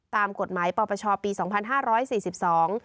ตามกฎหมายปปชปีสองพันห้าร้อยสี่สิบสอง